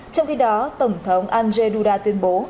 trong khi đó tổng thống andrzej duda tuyên bố